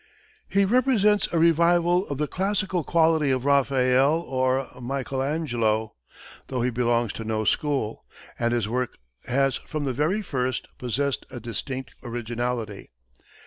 He represents a revival of the classical quality of Raphæl or Michæl Angelo, though he belongs to no school, and his work has from the very first possessed a distinct originality.